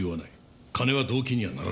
金は動機にはならないな。